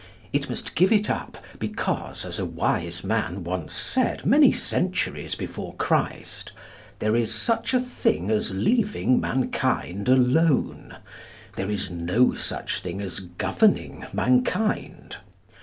It must give it up because, as a wise man once said many centuries before Christ, there is such a thing as leaving mankind alone; there is no such thing as governing mankind.